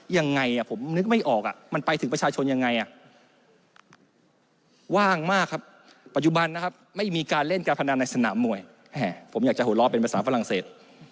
ยังไงผมนึกไม่ออกมันไปถึงประชาชนยังไงว่างมากครับปัจจุบันนะครับไม่มีการเล่นการพนันในสนามมวยผมอยากจะหัวล้อเป็นภาษาฝรั่งเศส